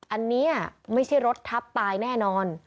อันนี้ไม่ใช่รถทับตายแน่นอน